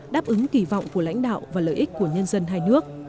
đáp ứng kỳ vọng của lãnh đạo và lợi ích của nhân dân hai nước